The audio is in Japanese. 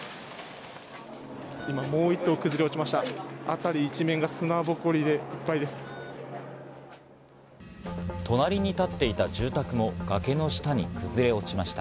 今もう１棟崩れ落ちました。